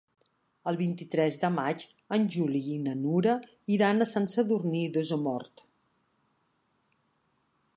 El vint-i-tres de maig en Juli i na Nura iran a Sant Sadurní d'Osormort.